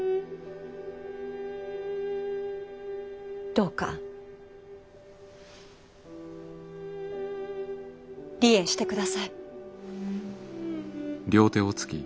どうか離縁してください。